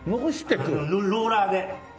あのローラーで。